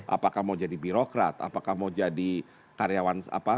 apakah mau jadi birokrat apakah mau jadi karyawan apa